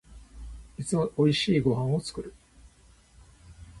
いつも美味しいご飯を作る